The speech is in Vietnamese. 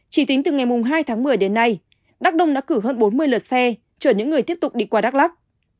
chỉ tính từ ngày hai tháng một mươi đến nay đắk nông đã cử hơn bốn mươi lượt xe trở những người tiếp tục đi qua đắk lớp